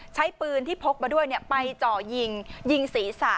ใช้ปืนที่พกมาด้วยไปเจาะยิงยิงศีรษะ